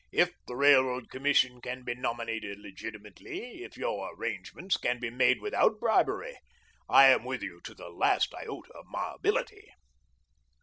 If the Railroad Commission can be nominated legitimately, if your arrangements can be made without bribery, I am with you to the last iota of my ability."